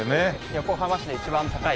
横浜市で一番高い。